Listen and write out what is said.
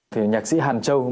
thì nhạc sĩ hàn châu